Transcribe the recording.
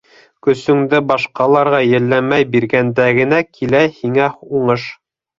Көсөңдө башҡаларға йәлләмәй биргәндә генә килә һиңә уңыш.